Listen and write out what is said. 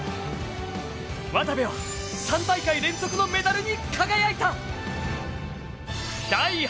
渡部は３大会連続のメダルに輝いた。